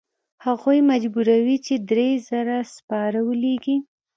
هغوی مجبوروي چې درې زره سپاره ولیږي.